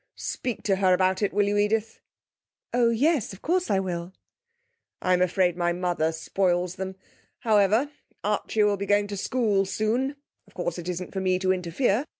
Speak to her about it, will you, Edith?' 'Oh yes, of course I will.' 'I'm afraid my mother spoils them. However, Archie will be going to school soon. Of course it isn't for me to interfere.